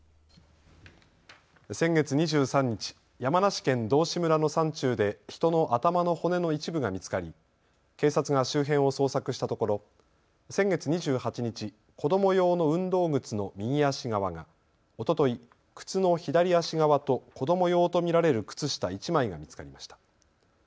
先月２３日、山梨県道志村の山中で人の頭の骨の一部が見つかり警察が周辺を捜索したところ先月２８日、子ども用の運動靴の右足側が、おととい靴の左足側と子ども用と見られる靴下１枚が見つかりました。